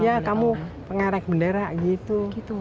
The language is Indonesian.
ya kamu pengerek bendera gitu